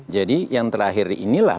jadi yang terakhir inilah